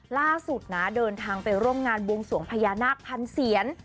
ล่าสุดนะเดินทางไปร่วมงานบวงสวงพญานาคพันเซียน